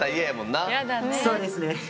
そうですね。